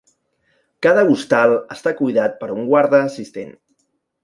Cada hostal està cuidat per un guarda assistent.